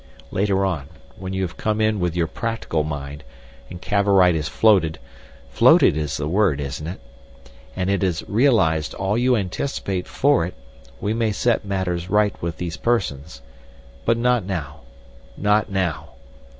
Later on, when you have come in with your practical mind, and Cavorite is floated—floated is the word, isn't it?—and it has realised all you anticipate for it, we may set matters right with these persons. But not now—not now.